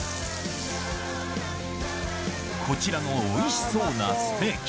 こちらのおいしそうなステーキ。